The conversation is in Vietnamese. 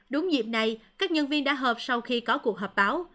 đúng dịp này các nhân viên đã hợp sau khi có cuộc hợp báo